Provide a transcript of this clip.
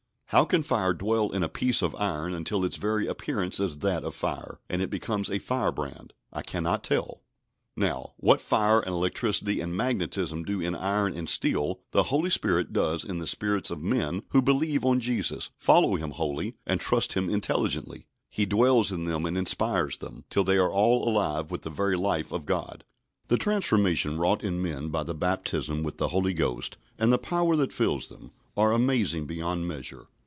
How can fire dwell in a piece of iron until its very appearance is that of fire, and it becomes a fire brand? I cannot tell. Now, what fire and electricity and magnetism do in iron and steel, the Holy Spirit does in the spirits of men who believe on Jesus, follow Him wholly, and trust Him intelligently. He dwells in them, and inspires them, till they are all alive with the very life of God. The transformation wrought in men by the baptism with the Holy Ghost, and the power that fills them, are amazing beyond measure.